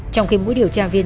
trong khi mũi điều tra viên